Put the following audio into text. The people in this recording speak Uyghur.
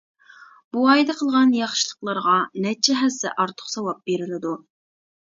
بۇ ئايدا قىلغان ياخشىلىقلارغا نەچچە ھەسسە ئارتۇق ساۋاب بېرىلىدۇ.